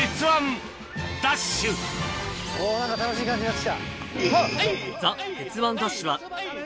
おぉ何か楽しい感じになってきた。